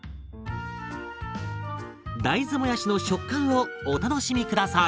大豆もやしの食感をお楽しみ下さい。